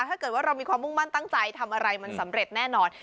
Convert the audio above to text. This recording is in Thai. ถ้าเกิดว่าเรามีความมุ่งมั่นตั้งใจทำอะไรมันสำเร็จแน่นอน